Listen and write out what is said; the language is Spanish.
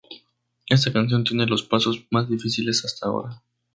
Esta canción tiene los pasos más difíciles hasta ahora.